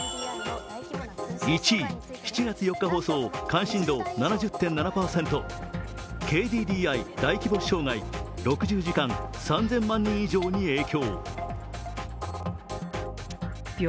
１位、７月４日放送、関心度７０．７％、ＫＤＤＩ大規模障害、６０時間３０００万人以上に影響。